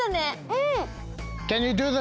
うん！